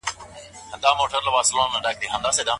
آیا په دې نوبت کي تغير راوستل جواز لري؟